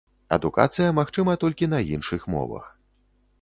Адукацыя магчыма толькі на іншых мовах.